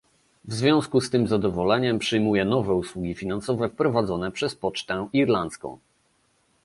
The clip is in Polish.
W związku z tym z zadowoleniem przyjmuję nowe usługi finansowe wprowadzane przez Pocztę Irlandzką